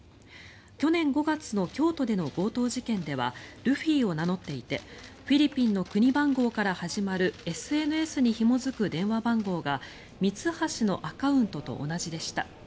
去年５月の京都での強盗事件ではルフィを名乗っていてフィリピンの国番号から始まるＳＮＳにひも付く電話番号がミツハシのアカウントと同じでした。